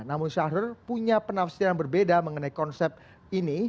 namun syahrul punya penafsiran berbeda mengenai konsep ini